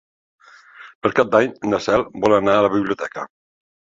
Per Cap d'Any na Cel vol anar a la biblioteca.